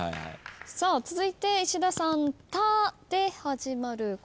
続いて石田さん「た」で始まる言葉。